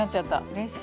うれしい。